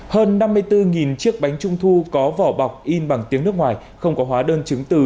hơn năm mươi bốn chiếc bánh trung thu có vỏ bọc in bằng tiếng nước ngoài không có hóa đơn chứng từ